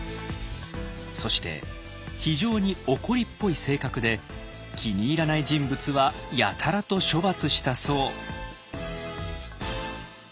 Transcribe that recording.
そして非常に怒りっぽい性格で気に入らない人物はやたらと処罰したそう。